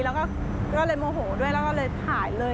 แล้วก็ก็เลยโมโหด้วยแล้วก็เลยถ่ายเลย